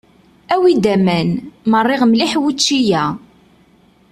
Awi-d aman, merriɣ mliḥ wučči-a.